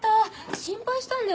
心配したんだよ